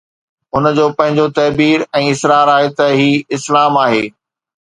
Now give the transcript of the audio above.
هن جو پنهنجو تعبير ۽ اصرار آهي ته هي اسلام آهي.